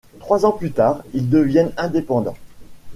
Trois ans plus tard, il devient indépendant.